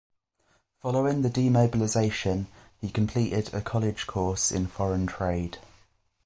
Following the demobilisation he completed a college course in foreign trade.